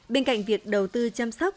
bên cạnh việc đầu tư chăm sóc